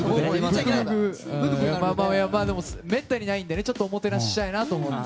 めったにないのでおもてなししたいなと思って。